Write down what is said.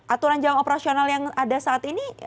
aturan jam operasional yang ada saat ini